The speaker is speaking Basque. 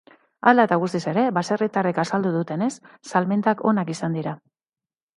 Hala eta guztiz ere, baserritarrek azaldu dutenez, salmentak onak izan dira.